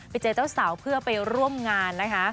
ไปเจอเจ้าสาวเพื่อไปร่วมงานนะคะ